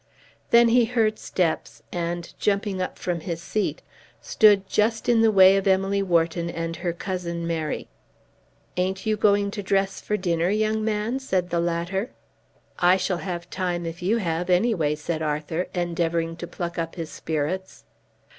Then he heard steps, and jumping up from his seat, stood just in the way of Emily Wharton and her cousin Mary. "Ain't you going to dress for dinner, young man?" said the latter. "I shall have time if you have, any way," said Arthur, endeavouring to pluck up his spirits.